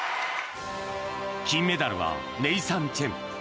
金メダルはネイサン・チェン。